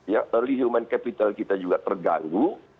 early human capital kita juga terganggu